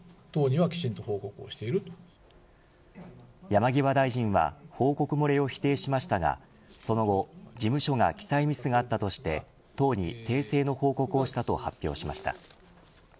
山際大臣は報告漏れを否定しましたがその後、事務所が記載ミスがあったとして党に訂正の報告をしたと発表しました。